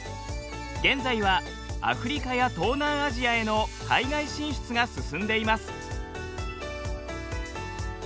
現在はアフリカや東南アジアへの海外進出が進んでいます。